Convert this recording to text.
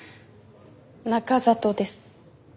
中郷です。